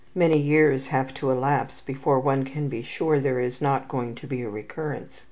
Many years have to elapse before one can be sure there is not going to be a recurrence.